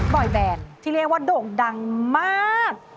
บ่อยแบบที่เรียกว่าโด่งดังมาก